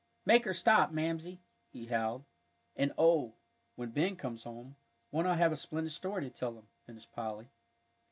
"Make her stop, Mamsie," he howled. "And oh, when Ben comes home, won't I have a splendid story to tell him!" finished Polly.